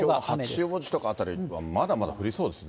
八王子辺りはまだまだ降りそうですね。